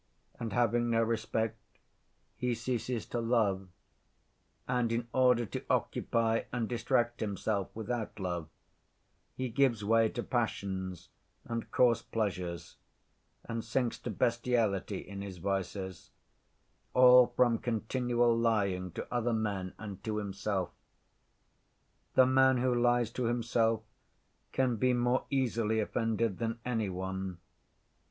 And having no respect he ceases to love, and in order to occupy and distract himself without love he gives way to passions and coarse pleasures, and sinks to bestiality in his vices, all from continual lying to other men and to himself. The man who lies to himself can be more easily offended than any one.